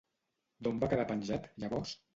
D'on va quedar penjat, llavors?